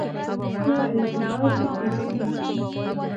که اعتبار وي پیسې راځي.